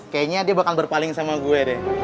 kayaknya dia bakal berpaling sama gue deh